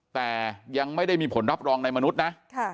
แต่ยังไม่ได้มีผลรับรองในมนุษย์นะ